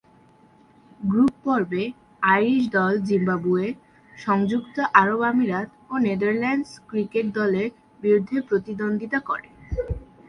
গ্রুপ-পর্বে Irish দল Zimbabwe, সংযুক্ত আরব আমিরাত ও নেদারল্যান্ডস ক্রিকেট দলের বিরুদ্ধে প্রতিদ্বন্দ্বিতা করে।